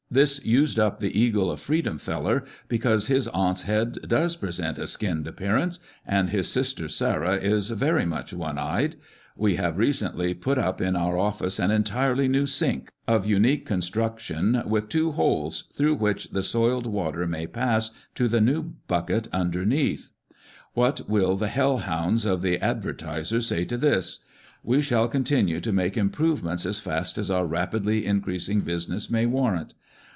This used up the Eagle of Freedom feller, be cause his aunt's head does present a skinned appearance, and his sister Sarah is very much one eyed We have recently put up in V ,., ic • pur omce an entirely new sink, ot unique con struction, with two holes, through which the soiled water may pass to the new bucket under neath. What will the Hell hounds of the Ad vertiser say to this ? We shall continue to make improvements as fast as our rapidly in creasing business may warrant.